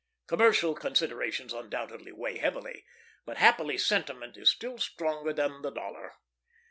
Commercial considerations undoubtedly weigh heavily; but happily sentiment is still stronger than the dollar.